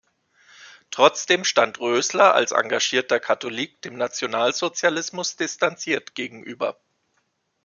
Trotzdem stand Rösler als engagierter Katholik dem Nationalsozialismus distanziert gegenüber.